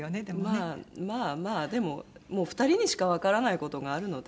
まあまあまあでももう２人にしかわからない事があるので。